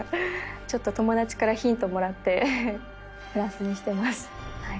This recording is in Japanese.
ちょっと友達からヒントもらってプラスにしてます。